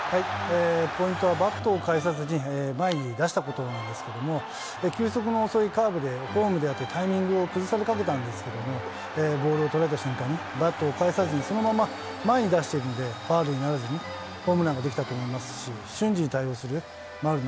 ポイントはバットを返さずに前に出したことなんですけど、球速の遅いカーブで、タイミングを崩されかけたんですけれども、ボールを捉えた瞬間にバットを返さずに、そのまま前に出しているので、ファウルにならずにホームランにできたと思います。